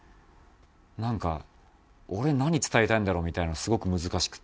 なんか俺何伝えたいんだろう？みたいなすごく難しくて。